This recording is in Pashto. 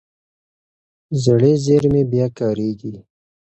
زړې زېرمې بیا کارېږي.